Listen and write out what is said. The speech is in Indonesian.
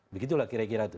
begitulah kira kira itu